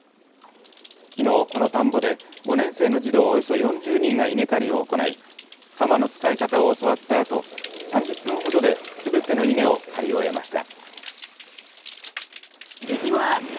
きのう、この田んぼで５年生の児童およそ４０人が稲刈りを行い、鎌の使い方を教わったあと、３０分ほどですべての稲を刈り終えました。